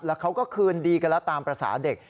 แล้วเขาก็คืนดีกันแล้วตามภาษาเด็ก